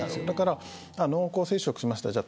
だから、濃厚接触しました